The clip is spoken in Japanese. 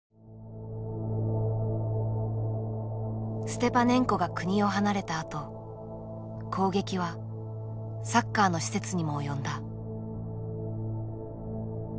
ステパネンコが国を離れたあと攻撃はサッカーの施設にも及んだ。